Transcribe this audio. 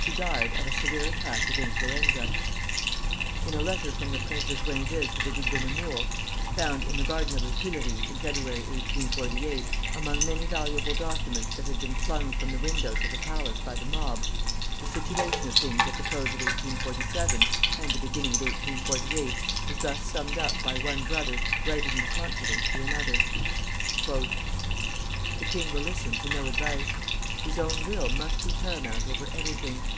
She died of a severe attack of influenza. In a letter from the Prince de Joinville to the Duc de Nemours, found in the garden of the Tuileries in February, 1848, among many valuable documents that had been flung from the windows of the palace by the mob, the situation of things at the close of 1847 and the beginning of 1848 is thus summed up by one brother writing in confidence to another: "The king will listen to no advice. His own will must be paramount over everything.